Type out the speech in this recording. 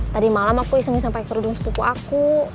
tadi malam aku iseng sampai kerudung sepupu aku